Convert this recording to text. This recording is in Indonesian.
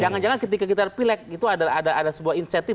jangan jangan ketika kita pilek itu ada sebuah insentif